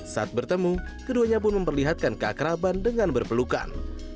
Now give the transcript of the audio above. saat bertemu keduanya pun memperlihatkan keakraban dengan berpelukan